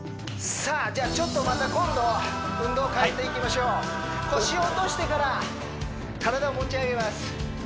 さあじゃあちょっとまた今度は運動変えていきましょう腰を落としてから体を持ち上げます